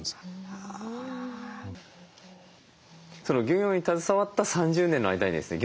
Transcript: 漁業に携わった３０年の間にですね